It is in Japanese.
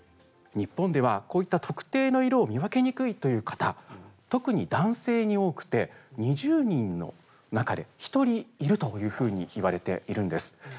日本ではこういった特定の色を見分けにくいという方特に男性に多くて２０人の中で１人いるというふうに言われているんです。